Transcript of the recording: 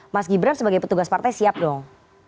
mas gibran sebagai petugas partai siap dong